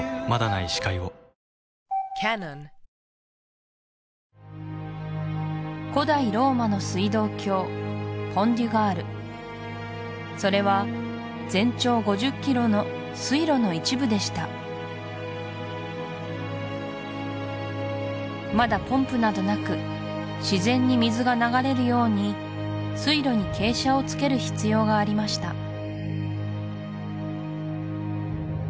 まだない視界を古代ローマの水道橋ポン・デュ・ガールそれは全長５０ｋｍの水路の一部でしたまだポンプなどなく自然に水が流れるように水路に傾斜をつける必要がありました